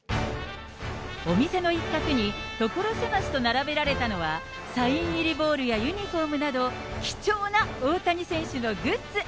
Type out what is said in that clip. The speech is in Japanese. お店の一角に、所狭しと並べられたのは、サイン入りボールやユニホームなど、貴重な大谷選手のグッズ。